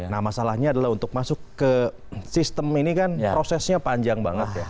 nah masalahnya adalah untuk masuk ke sistem ini kan prosesnya panjang banget ya